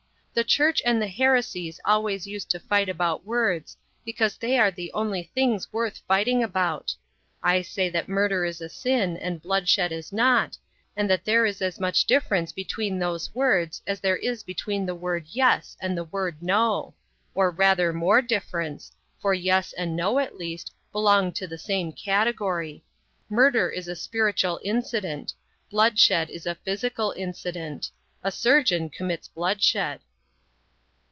The Church and the heresies always used to fight about words, because they are the only things worth fighting about. I say that murder is a sin, and bloodshed is not, and that there is as much difference between those words as there is between the word 'yes' and the word 'no'; or rather more difference, for 'yes' and 'no', at least, belong to the same category. Murder is a spiritual incident. Bloodshed is a physical incident. A surgeon commits bloodshed.